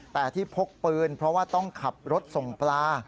แต่ที่พกปืนเพราะว่าต้องขับรถส่งปลา